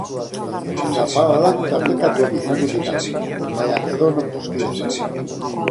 Zaparradak tartekatuak izango dira, baina edonon busti dezake.